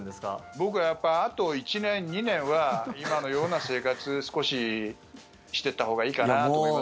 僕はやっぱりあと１年、２年は今のような生活少ししていったほうがいいかなと思います。